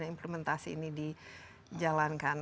implementasi ini dijalankan